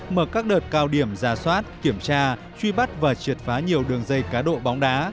mở các đợt cao điểm ra soát kiểm tra truy bắt và triệt phá nhiều đường dây cá độ bóng đá